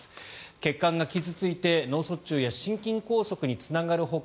血管が傷付いて脳卒中や心筋梗塞につながるほか